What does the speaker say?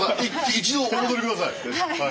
一度お戻り下さい。